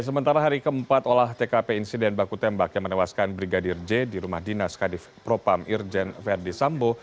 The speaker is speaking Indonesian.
sementara hari keempat olah tkp insiden baku tembak yang menewaskan brigadir j di rumah dinas kadif propam irjen verdi sambo